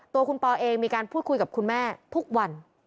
ตัวคุณปอเองมีการพูดคุยกับคุณแม่ทุกวัน